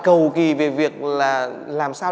đầu kì về việc là làm sao